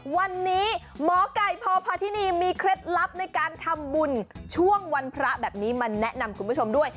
วันนี้หมอไก่พพาธินีมีเคล็ดลับในการทำบุญช่วงวันพระแบบนี้มาแนะนำคุณผู้ชมด้วย